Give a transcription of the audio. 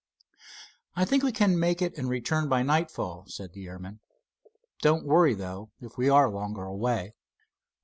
"I think we can make it and return by nightfall," said the airman. "Don't worry, though, if we are longer away."